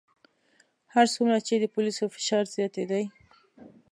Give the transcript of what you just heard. هر څومره چې د پولیسو فشار زیاتېدی.